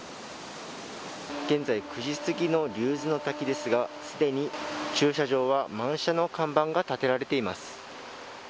現在９時すぎの竜頭ノ滝ですがすでに駐車場は満車の看板が立てられています。